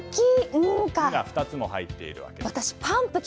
「ん」が２つも入っているわけです。